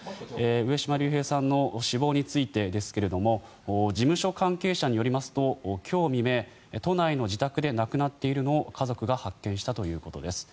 上島竜兵さんの死亡についてですが事務所関係者によりますと今日未明、都内の自宅で亡くなっているのを家族が発見したということです。